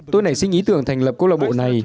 tôi nảy sinh ý tưởng thành lập câu lạc bộ này